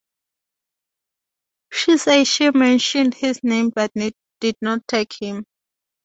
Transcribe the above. She says she mentioned his name but did not tag him.